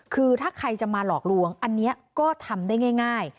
คือถ้าใครจะมาหลอกลวงอันนี้ก็ทำได้ง่าย